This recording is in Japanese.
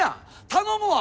頼むわ！